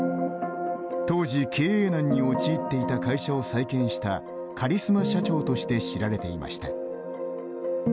当時、経営難に陥っていた会社を再建したカリスマ社長として知られていました。